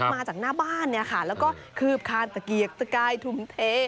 มาจากหน้าบ้านเนี่ยค่ะแล้วก็คืบคานตะเกียกตะกายทุ่มเท